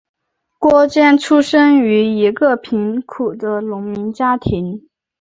郭坚出生于一个贫苦的农民家庭。